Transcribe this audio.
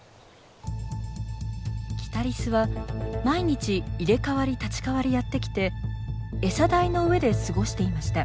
キタリスは毎日入れ代わり立ち代わりやって来て台の上で過ごしていました。